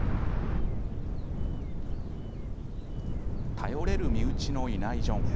頼れる身内のいないジョン。